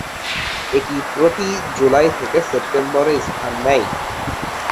এটি প্রতি জুলাই থেকে সেপ্টেম্বরে স্থান নেয়।